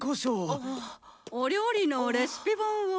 お料理のレシピ本を。